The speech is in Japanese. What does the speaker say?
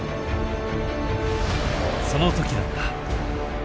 その時だった。